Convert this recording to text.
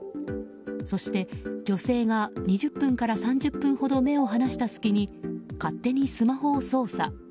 そして女性が２０分から３０分ほど目を離した隙に勝手にスマホを操作。